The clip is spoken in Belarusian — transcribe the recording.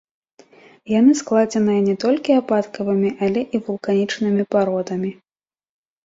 Яны складзеныя не толькі ападкавымі, але і вулканічнымі пародамі.